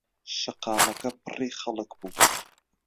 شەقاکەمە پڕی خەڵک بوو.